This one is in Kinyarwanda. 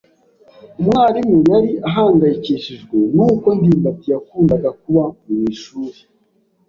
Umwarimu yari ahangayikishijwe nuko ndimbati yakundaga kuba mu ishuri.